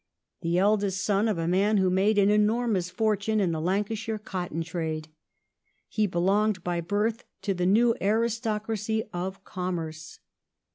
The eldest son of a man who made an enormous fortune in the Lancashire cotton trade, ^ he belonged by birth to the new aristo cracy of commerce.